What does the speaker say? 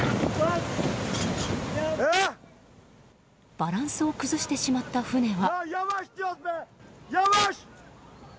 バランスを崩してしまった船は。